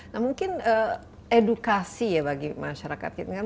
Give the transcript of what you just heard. nah mungkin edukasi ya bagi masyarakat